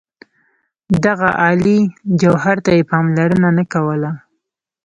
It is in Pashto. دغه عالي جوهر ته یې پاملرنه نه کوله.